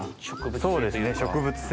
そうですね植物性。